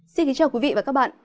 xin kính chào quý vị và các bạn